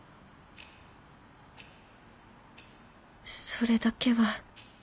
それだけは。